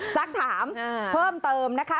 สักถามเพิ่มเติมนะคะ